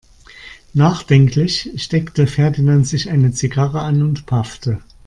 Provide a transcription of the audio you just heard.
Nachdenklich steckte Ferdinand sich eine Zigarre an und paffte.